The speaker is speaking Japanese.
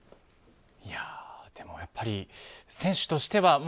でも、やっぱり選手としては。